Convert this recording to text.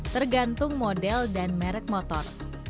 tergantung model dan merek motor